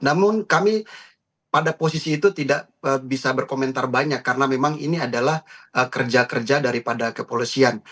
namun kami pada posisi itu tidak bisa berkomentar banyak karena memang ini adalah kerja kerja daripada kepolisian